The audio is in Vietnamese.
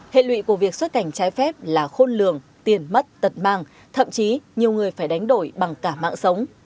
hệ lụy của việc xuất cảnh trái phép là khôn lường tiền mất tật mang thậm chí nhiều người phải đánh đổi bằng cả mạng sống